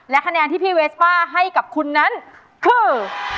และคะแนนที่พี่เวสป้าให้กับคุณนั้นคือ